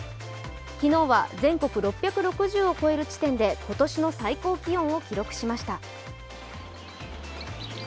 昨日は全国６６０を超える地点で今年の最高気温を記録しました。